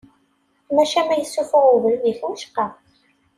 Maca ma yessufuɣ ubrid-ik wicqa.